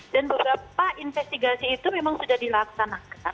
dan beberapa investigasi itu memang sudah dilaksanakan